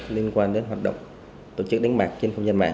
liên quan đến hoạt động tổ chức đánh bạc trên không gian mạng